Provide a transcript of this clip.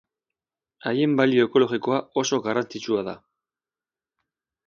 Haien balio ekologikoa oso garrantzitsua da.